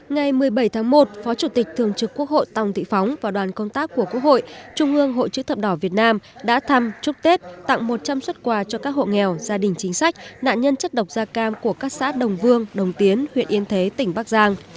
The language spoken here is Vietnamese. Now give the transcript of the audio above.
ngày một mươi bảy tháng một phó chủ tịch thường trực quốc hội tòng thị phóng và đoàn công tác của quốc hội trung ương hội chữ thập đỏ việt nam đã thăm chúc tết tặng một trăm linh xuất quà cho các hộ nghèo gia đình chính sách nạn nhân chất độc da cam của các xã đồng vương đồng tiến huyện yên thế tỉnh bắc giang